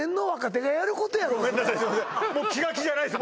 もう気が気じゃないです